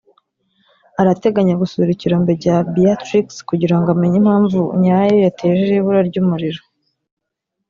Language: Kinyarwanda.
arateganya gusura ikirombe cya Beatrix kugira ngo amenye impamvu nyayo yateje iri bura ry’umuriro